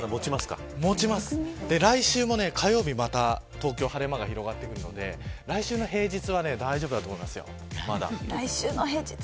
来週も火曜日は、また東京は晴れ間が広がってくるので来週の平日は大丈夫だと思います。